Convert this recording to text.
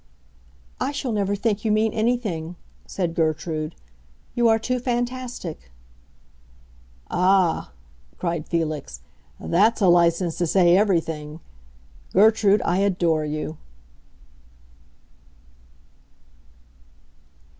"I shall never think you mean anything," said Gertrude. "You are too fantastic." "Ah," cried Felix, "that's a license to say everything! Gertrude, I adore you!"